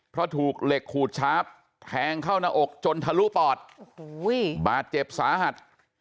เพราะถูกเหล็กขูดชาร์ฟแทงเข้าหน้าอกจนทะลุปอดโอ้โหบาดเจ็บสาหัส